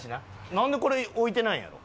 なんでこれ置いてないんやろ？